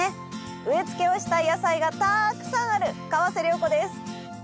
植え付けをしたい野菜がたくさんある川瀬良子です。